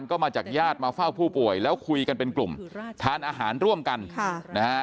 ก็มาจากญาติมาเฝ้าผู้ป่วยแล้วคุยกันเป็นกลุ่มทานอาหารร่วมกันค่ะนะฮะ